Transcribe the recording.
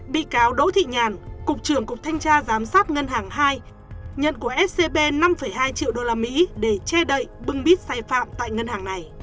bị cáo đỗ thị nhàn cục trưởng cục thanh tra giám sát ngân hàng hai nhận của scb năm hai triệu usd để che đậy bưng bít sai phạm tại ngân hàng này